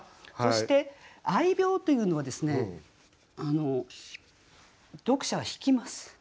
そして「愛猫」というのはですね読者は引きます。